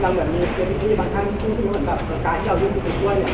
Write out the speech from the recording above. เราเหมือนมีเวลาที่บางท่านคิดว่า